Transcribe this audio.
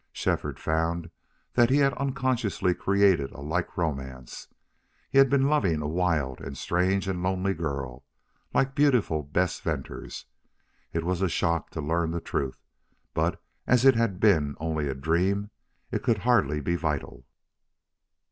Shefford found that he had unconsciously created a like romance he had been loving a wild and strange and lonely girl, like beautiful Bess Venters. It was a shock to learn the truth, but, as it had been only a dream, it could hardly be vital.